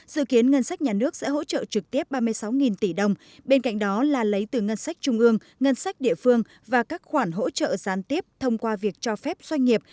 dự kiến ngân sách nhà nước sẽ hỗ trợ trực tiếp ba mươi sáu tỷ đồng bên cạnh đó là lấy từ ngân sách trung ương ngân sách địa phương và các khoản hỗ trợ gián tiếp thông qua việc cho phép doanh nghiệp